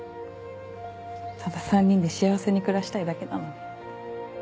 ただ３人で幸せに暮らしたいだけなのに。